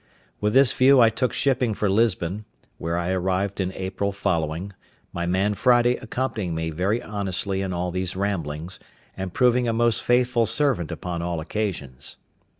With this view I took shipping for Lisbon, where I arrived in April following, my man Friday accompanying me very honestly in all these ramblings, and proving a most faithful servant upon all occasions.